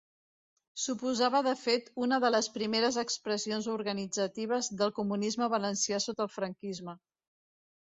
Suposava de fet una de les primeres expressions organitzatives del comunisme valencià sota el franquisme.